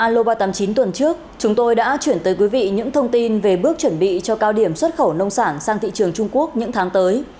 lô ba trăm tám mươi chín tuần trước chúng tôi đã chuyển tới quý vị những thông tin về bước chuẩn bị cho cao điểm xuất khẩu nông sản sang thị trường trung quốc những tháng tới